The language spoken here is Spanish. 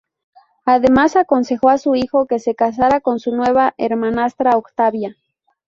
Además, aconsejó a su hijo que se casara con su nueva hermanastra, Octavia.